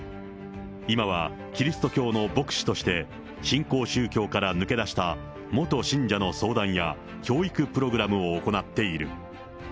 今はキリスト教の牧師として、新興宗教から抜け出した元信者の相談や、教育プログラムを行っている。